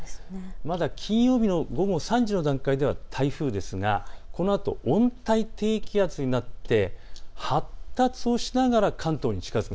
まだ金曜日の午後３時の段階では台風ですがこのあと温帯低気圧になって発達をしながら関東に近づく。